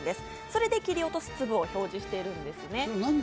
それで切り落とす粒を表示しているんですね。